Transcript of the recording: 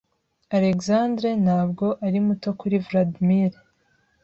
Alexandre ntabwo ari muto kuri Vladimir.